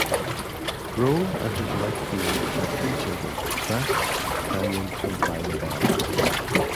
Grove and his wife Bane have three children; Dax, Canyon, and Lilah Belle.